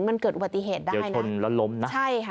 มันเกิดอวติเหตุได้นะเดี๋ยวชนแล้วล้มนะใช่ค่ะ